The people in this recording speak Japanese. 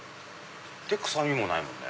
臭みもないもんね。